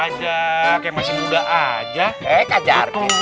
kayak masih muda aja